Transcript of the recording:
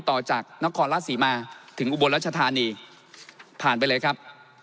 ต่อจากนครราชศรีมาถึงอุบลรัชธานีผ่านไปเลยครับ